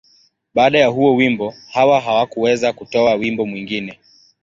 Baada ya huo wimbo, Hawa hakuweza kutoa wimbo mwingine.